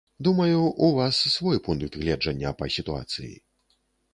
Думаю, у вас свой пункт гледжання па сітуацыі.